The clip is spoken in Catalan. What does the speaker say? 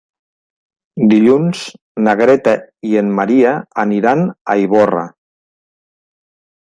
Dilluns na Greta i en Maria aniran a Ivorra.